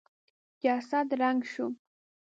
جسد ړنګ شو.